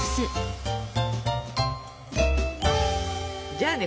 じゃあね